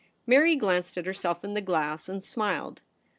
Mary glanced at herself in the glass and smiled.